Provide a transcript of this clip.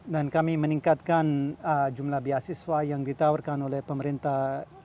dan kami meningkatkan jumlah beasiswa yang ditawarkan oleh pemerintah inggris